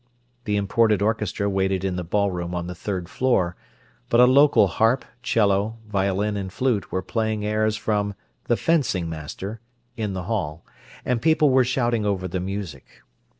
The imported orchestra waited in the ballroom on the third floor, but a local harp, 'cello, violin, and flute were playing airs from "The Fencing Master" in the hall, and people were shouting over the music.